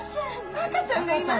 赤ちゃんがいます。